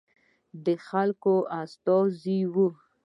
د خلکو استازي وو.